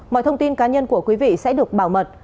mọi thông tin cá nhân của quý vị sẽ được bảo mật